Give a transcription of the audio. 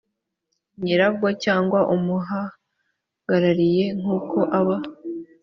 nyirabwo cyangwa umuhagarariye nk uko aba